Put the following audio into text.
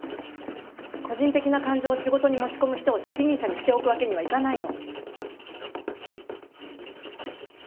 個人的な感情を仕事に持ち込む人を責任者にしておくわけにはいかないの。